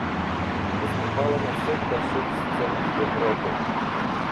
Выступала на всех больших сценах Европы.